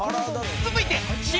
［続いて］